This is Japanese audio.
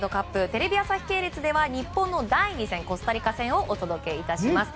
テレビ朝日系列では日本の第２戦コスタリカ戦をお届けします。